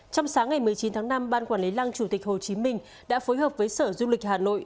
trong sáng ngày một mươi chín tháng năm ban quản lý lăng chủ tịch hồ chí minh đã phối hợp với sở du lịch hà nội